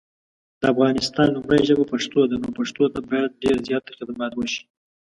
د افغانستان لومړی ژبه پښتو ده نو پښتو ته باید دیر زیات خدمات وشي